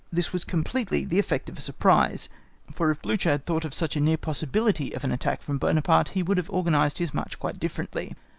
This was completely the effect of a surprise, for if Blücher had thought of such a near possibility of an attack from Buonaparte(*) he would have organised his march quite differently.